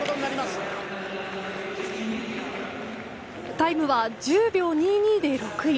タイムは１０秒２２で６位。